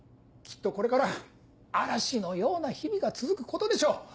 きっとこれから嵐のような日々が続くことでしょう。